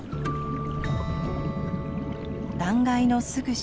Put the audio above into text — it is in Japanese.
断崖のすぐ下。